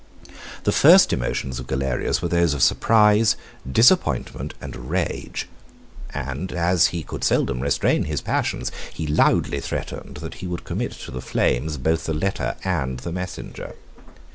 The first emotions of Galerius were those of surprise, disappointment, and rage; and as he could seldom restrain his passions, he loudly threatened, that he would commit to the flames both the letter and the messenger.